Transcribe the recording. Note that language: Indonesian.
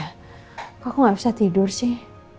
kok aku gak bisa tidur sih